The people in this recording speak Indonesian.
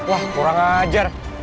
wah kurang ajar